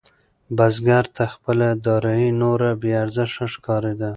بزګر ته خپله دارايي نوره بې ارزښته ښکارېده.